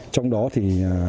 trong đó thì